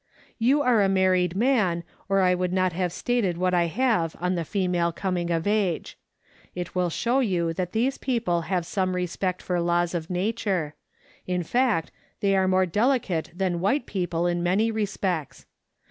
You are a married man, or I would not have stated what I have on the female coming of age. It will show you that these people have some respect for laws of nature ; in fact, they are more delicate than white people in many respects.